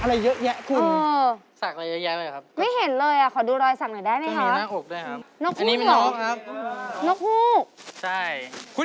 แล้วสักอะไรเยอะแยะคุณ